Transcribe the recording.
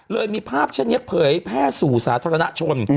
เลยมีภาพชันเงียบเผยแพร่สู่สาธารณชน